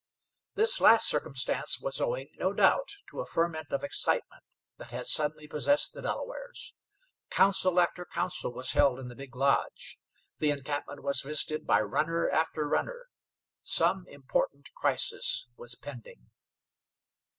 This last circumstance was owing, no doubt, to a ferment of excitement that had suddenly possessed the Delawares. Council after council was held in the big lodge. The encampment was visited by runner after runner. Some important crisis was pending.